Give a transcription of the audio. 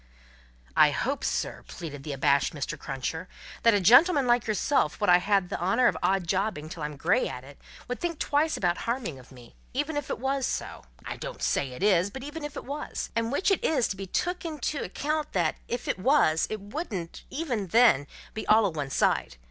"I hope, sir," pleaded the abashed Mr. Cruncher, "that a gentleman like yourself wot I've had the honour of odd jobbing till I'm grey at it, would think twice about harming of me, even if it wos so I don't say it is, but even if it wos. And which it is to be took into account that if it wos, it wouldn't, even then, be all o' one side.